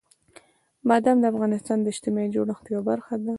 بادام د افغانستان د اجتماعي جوړښت یوه برخه ده.